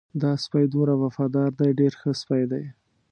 دا سپی دومره وفادار دی ډېر ښه سپی دی.